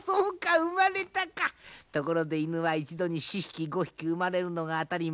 ところで犬は一度に４匹５匹生まれるのが当たり前。